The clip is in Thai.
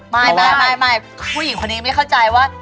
ไม่ผู้หญิงคนนี้ไม่เข้าใจว่า